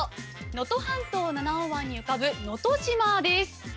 能登半島七尾湾に浮かぶ能登島です